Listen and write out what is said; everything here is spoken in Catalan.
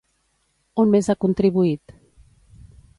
On més ha contribuït?